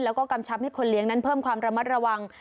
แล้วก็กำชับให้คนเลี้ยงนั้นเพิ่มความระมัดระวัง